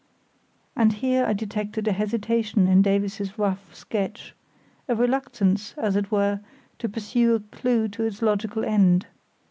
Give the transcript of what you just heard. And here I detected a hesitation in Davies's rough sketch, a reluctance, as it were, to pursue a clue to its logical end.